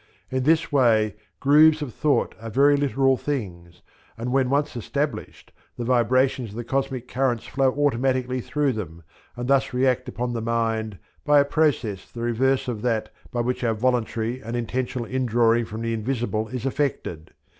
In this way "grooves of thought" are very literal things, and when once established the vibrations of the cosmic currents flow automatically through them and thus react upon the mind by a process the reverse of that by which our voluntary and intentional in drawing from the invisible is affected.